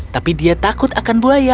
tapi dia takut akan buaya